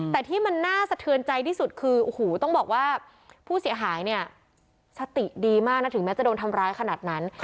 แต่ที่มันน่าสะเทือนใจที่สุดคือโอ้โหต้องบอกว่าผู้เสียหายเนี่ยสติดีมากนะถึงแม้จะโดนทำร้ายขนาดนั้น